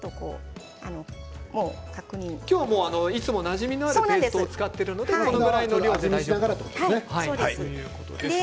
今日はいつもなじみのあるペーストを使ってるのでこのぐらいの量で大丈夫と分かるそうです。